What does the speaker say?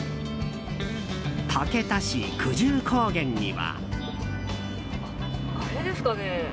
竹田市久住高原には。